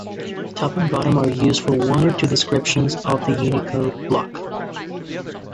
Top and bottom are used for one or two descriptions of the Unicode block.